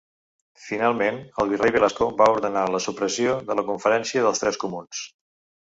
Finalment el virrei Velasco va ordenar la supressió de la Conferència dels Tres Comuns.